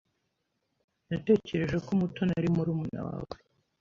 Natekereje ko Mutoni ari murumuna wawe.